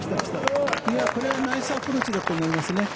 これはナイスアプローチだと思いますね。